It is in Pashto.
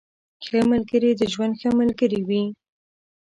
ښه ملګري د ژوند ښه ملګري وي.